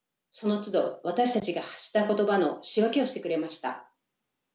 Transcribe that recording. そのつど私たちが発した言葉の仕分けをしてくれました。